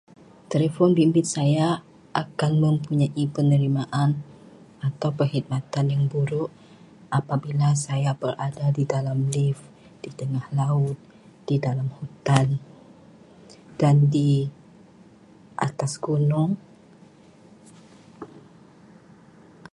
Telefon bimbit saya akan mempunyai penerimaan atau perkhidmatan yang buruk apabila saya berada di dalam lif, di tengah laut, di dalam hutan dan di atas gunung.